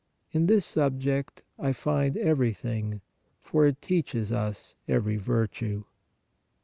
In this subject I find every thing, for it teaches us every virtue."